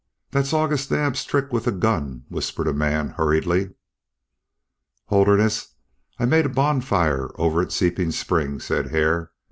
Thet's August Naab's trick with a gun," whispered a man, hurriedly. "Holderness, I made a bonfire over at Seeping Springs," said Hare.